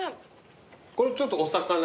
これちょっとお魚？